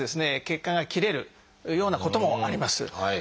血管が切れるようなこともあります。